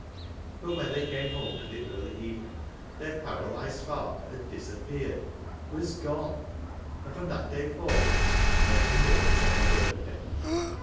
But when they came home in the early evening, their para lysed father had disappeared — was gone ! and from that day forwards, nothing more was ever heard of him.